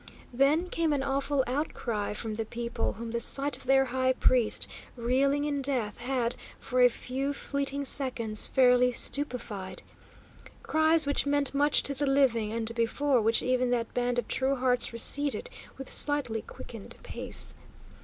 Then came an awful outcry from the people, whom the sight of their high priest reeling in death had, for a few fleeting seconds, fairly stupefied. Cries which meant much to the living, and before which even that band of true hearts receded with slightly quickened pace.